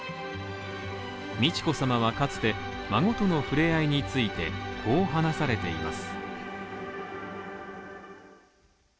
美智子さまはかつて孫との触れ合いについてこう話されています。